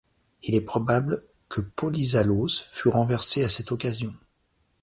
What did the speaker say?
Il est probable que Polyzalos fut renversé à cette occasion.